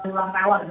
atau apa yang terjadi